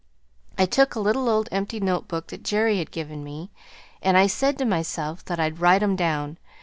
I took a little old empty notebook that Jerry had given me, and I said to myself that I'd write 'em down.